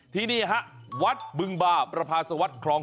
ที่นี่ฮะวัดบึงบาประพาสวรรค์ครอง๑๐